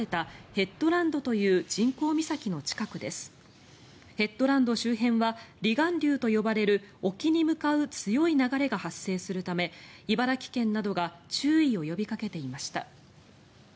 ヘッドランド周辺は離岸流と呼ばれる沖に向かう強い流れが発生するため、茨城県などが注意を呼びかけていました。